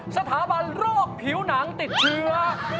สถาบันโรคผิวหนังติดเชื้อ